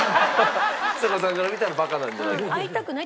ちさ子さんから見たらバカなんじゃないかと。